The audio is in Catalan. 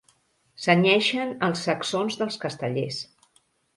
Cenyeixen els sacsons dels castellers.